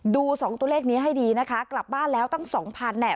ดู๒ตัวเลขนี้ให้ดีนะคะกลับบ้านแล้วตั้ง๒๐๐๐แหละ